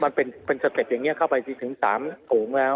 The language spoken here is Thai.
มันเป็นสเต็ปอย่างนี้เข้าไปถึง๓โถงแล้ว